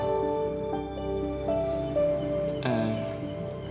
alhamdulillah baik baik aja wi